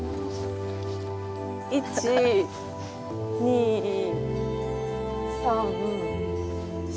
１２３４。